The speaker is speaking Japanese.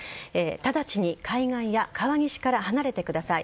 直ちに海岸や川岸から離れてください。